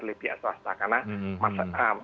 oleh pihak swasta karena